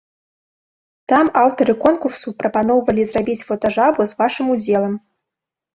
Там аўтары конкурсу прапаноўвалі зрабіць фотажабу з вашым удзелам.